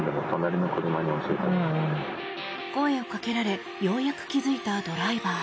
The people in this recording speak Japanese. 声をかけられようやく気付いたドライバー。